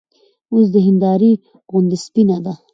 اوس د هېندارې غوندې سپينه ده